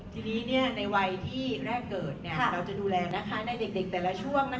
ทีนี้ในวัยที่แรกเกิดเราจะดูแลในเด็กแต่ละช่วง